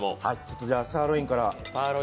じゃあサーロインから。